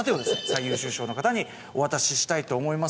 最優秀賞の方にお渡ししたいと思います。